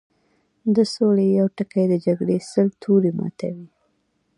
د سولې يو ټکی د جګړې سل تورې ماتوي